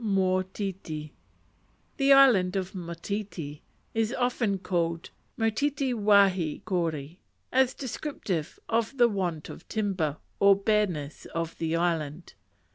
p. 18. Bare Motiti The Island of Motiti is often called "Motiti wahie kore," as descriptive of the want of timber, or bareness of the island.